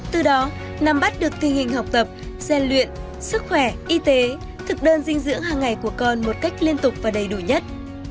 từ đó nắm bắt được tình hình học tập gian luyện sức khỏe y tế thực đơn dinh dưỡng hàng ngày của con một cách liên tục và đầy đủ nhất